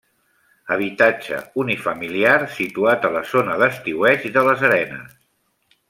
Habitatge unifamiliar situat a la zona d'estiueig de Les Arenes.